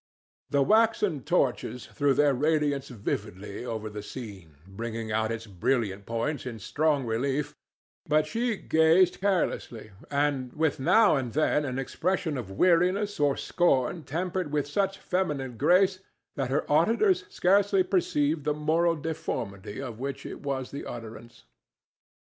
The waxen torches threw their radiance vividly over the scene, bringing out its brilliant points in strong relief, but she gazed carelessly, and with now and then an expression of weariness or scorn tempered with such feminine grace that her auditors scarcely perceived the moral deformity of which it was the utterance.